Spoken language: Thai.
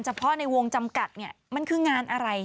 เพาะในวงจำกัดเนี่ยมันคืองานอะไร